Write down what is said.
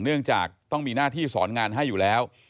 เนื่องจากต้องมีหน้าที่สอนงานให้อยู่แล้ว